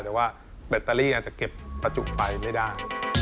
แต่ว่าแบตเตอรี่อาจจะเก็บประจุไฟไม่ได้